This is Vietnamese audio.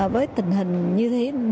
với tình hình như thế này